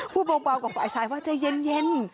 พูดเบากับฝ่ายชายว่าใจเย็น